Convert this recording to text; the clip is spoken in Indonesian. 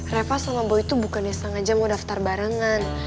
reva sama boy itu bukannya sengaja mau daftar barengan